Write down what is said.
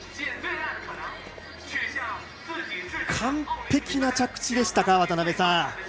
完璧な着地でしたか、渡辺さん。